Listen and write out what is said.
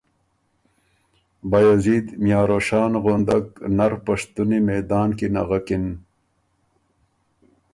بائزید میاں روښان غُندک نر پشتُنی میدان کی نغکِن